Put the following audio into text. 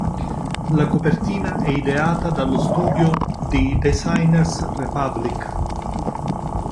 La copertina è ideata dallo studio The Designers Republic.